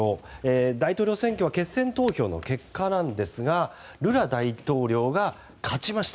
大統領選挙は決選投票の結果なんですがルラ大統領が勝ちました。